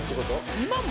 今も。